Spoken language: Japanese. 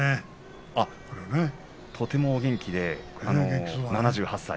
とても元気で７８歳。